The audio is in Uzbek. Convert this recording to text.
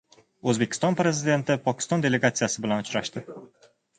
O‘zbekiston Prezidenti Pokiston delegatsiyasi bilan uchrashdi